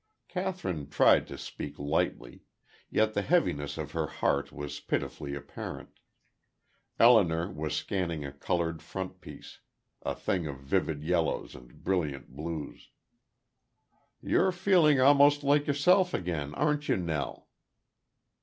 Kathryn tried to speak lightly; yet the heaviness of her heart was pitifully apparent. Elinor was scanning a colored frontispiece a thing of vivid yellows and brilliant blues. "You're feeling almost like yourself again, aren't you, Nell?"